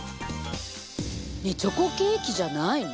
ねえチョコケーキじゃないの？